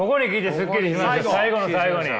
最後の最後に。